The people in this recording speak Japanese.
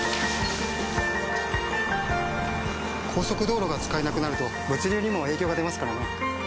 速道路が使えなくなると物流にも影響が出ますからね。